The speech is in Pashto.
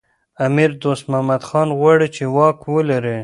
امیر دوست محمد خان غواړي چي واک ولري.